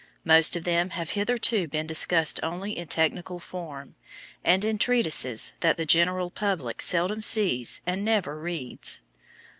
Most of them have hitherto been discussed only in technical form, and in treatises that the general public seldom sees and never reads.